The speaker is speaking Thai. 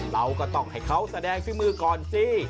เราก็ต้องให้เขาแสดงฝีมือก่อนสิ